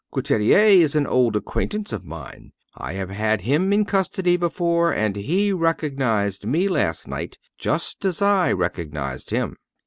Couturier is an old acquaintance of mine. I have had him in custody before; and he recognized me last night just as I recognized him."